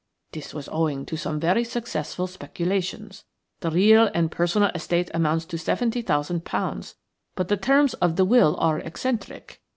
This was owing to some very successful speculations. The real and personal estate amounts to seventy thousand pounds, but the terms of the will are eccentric.